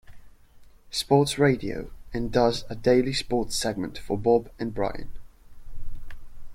Sports Radio and does a daily sports segment for "Bob and Brian".